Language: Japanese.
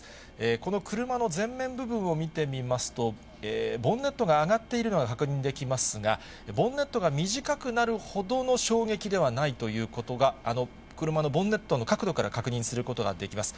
この車の前面部分を見てみますと、ボンネットが上がっているのが確認できますが、ボンネットが短くなるほどの衝撃ではないということが、あの車のボンネットの角度から確認することができます。